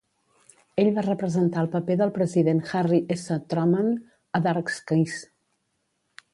Ell va representar el paper del president Harry S. Truman a "Dark Skies".